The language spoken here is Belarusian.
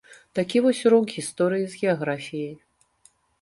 Такі вось урок гісторыі з геаграфіяй.